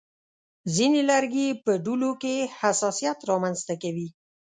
ځینې لرګي په دوړو کې حساسیت رامنځته کوي.